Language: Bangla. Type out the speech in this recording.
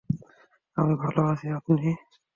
আমি ভাল আছি, আপনি?